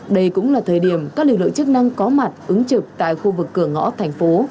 đây cũng là thời điểm các lực lượng chức năng có mặt ứng trực tại khu vực cửa ngõ thành phố